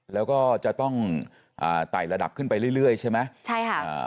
แล้วก็จะต้องไต่ระดับขึ้นไปเรื่อยใช่ไหมใช่ครับ